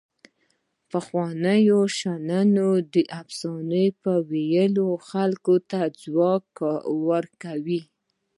پخوانيو شمنیانو د افسانو په ویلو خلکو ته ځواک ورکاوه.